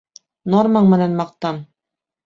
Нормаң менән маҡтан.